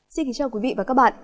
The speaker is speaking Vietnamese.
xin kính chào quý vị và các bạn